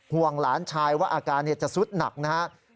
ห่วงหลานชายว่าอาการจะสุดหนักนะครับ